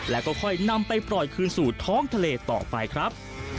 แล้วก็ค่อยนำไปปล่อยคืนสู่ท้องทะเลต่อไปครับ